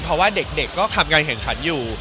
เพราะว่าเด็กก็ทำงานแข่งขันอยู่